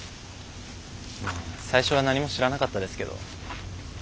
最初は何も知らなかったですけど。